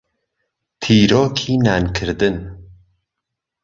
تیرۆکی نانکردن.